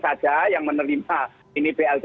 saja yang menerima ini blt